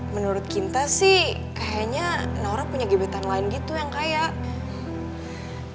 menurut kita sih kayaknya naura punya gibatan lain gitu yang kayak